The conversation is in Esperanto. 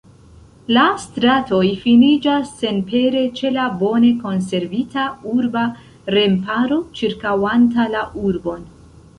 La stratoj finiĝas senpere ĉe la bone konservita urba remparo ĉirkaŭanta la urbon.